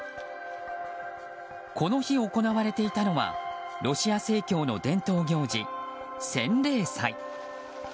この日行われていたのはロシア正教の伝統行事、洗礼祭。